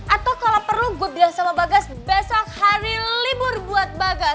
atau kalo perlu gue bilang sama bagas besok hari libur buat bagas